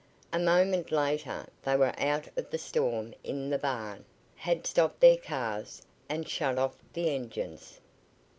A moment later they were out of the storm in the barn, had stopped their cars, and shut off the engines.